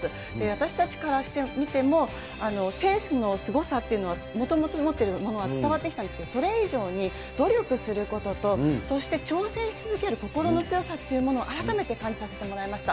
私たちから見ても、センスのすごさというのはもともと持ってるものは伝わってきたんですけど、それ以上に、努力することと、そして挑戦し続ける心の強さっていうものを改めて感じさせてもらいました。